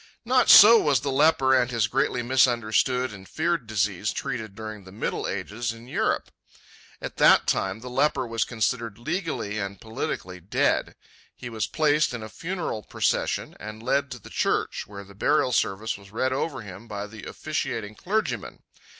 Not so was the leper and his greatly misunderstood and feared disease treated during the middle ages in Europe. At that time the leper was considered legally and politically dead. He was placed in a funeral procession and led to the church, where the burial service was read over him by the officiating clergyman.